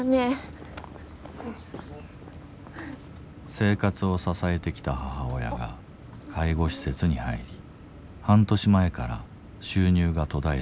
生活を支えてきた母親が介護施設に入り半年前から収入が途絶えていた。